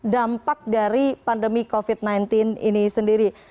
dampak dari pandemi covid sembilan belas ini sendiri